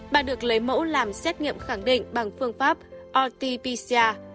bà được lấy mẫu làm xét nghiệm khẳng định bằng phương pháp rt pcr